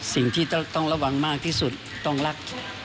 สิ่งที่ต้องระวังมากที่สุดต้องรัก